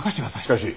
しかし。